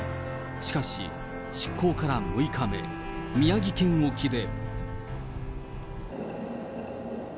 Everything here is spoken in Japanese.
しかし出港から６日目、宮城県沖で。